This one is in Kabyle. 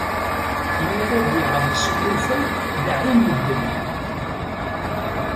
Mi ara d-yeɛḍes llufan, deɛɛun medden